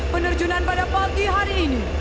penerjunan pada pagi hari ini